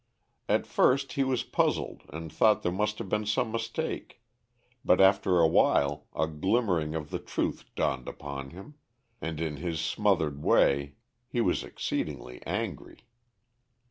At first he was puzzled, and thought there must have been some mistake, but after awhile a glimmering of the truth dawned upon him, and in his smothered way he was exceedingly angry.